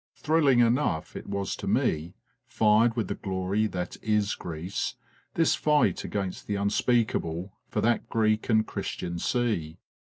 Thrilling enough it was to me fired with the glory that is Greece this fight against the Unspeakable for that Greek and Christian sea.